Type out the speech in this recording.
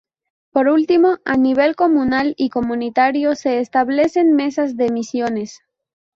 Por último, a nivel comunal y comunitario se establecen Mesas de Misiones.